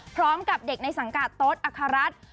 พร้อมกับเด็กในสังการตรศ์อคารัฐ